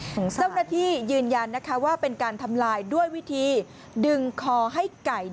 เจ้าหน้าที่ยืนยันนะคะว่าเป็นการทำลายด้วยวิธีดึงคอให้ไก่